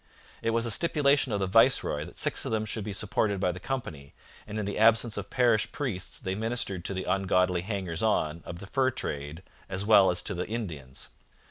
It was a stipulation of the viceroy that six of them should be supported by the company, and in the absence of parish priests they ministered to the ungodly hangers on of the fur trade as well as to the Indians.